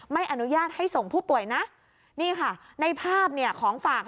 ไม่อนุญาตให้ส่งผู้ป่วยนะนี่ค่ะในภาพเนี่ยของฝั่ง